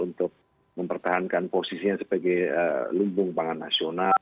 untuk mempertahankan posisinya sebagai lumbung pangan nasional